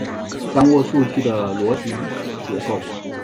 掌握数据的逻辑结构